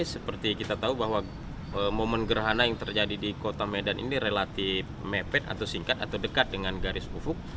seperti kita tahu bahwa momen gerhana yang terjadi di kota medan ini relatif mepet atau singkat atau dekat dengan garis ufuk